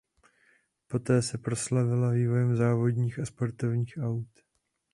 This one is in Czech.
Poté se proslavila vývojem závodních a sportovních aut.